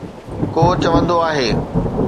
ڪو چوندو آهي